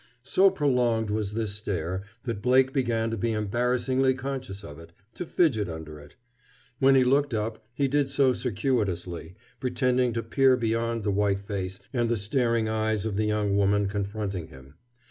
So prolonged was this stare that Blake began to be embarrassingly conscious of it, to fidget under it. When he looked up he did so circuitously, pretending to peer beyond the white face and the staring eyes of the young woman confronting him.